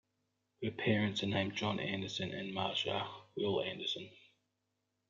Her parents are named John Anderson and Maja Will Anderson.